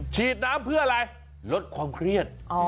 ฉีดน้ำเพื่ออะไรลดความเครียด